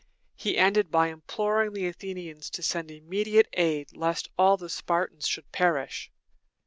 He ended by imploring the Athenians to send immediate aid, lest all the Spartans should perish.